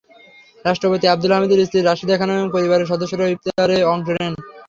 রাষ্ট্রপতি আবদুল হামিদের স্ত্রী রাশিদা খানম এবং পরিবারের সদস্যরাও ইফতারে অংশ নেন।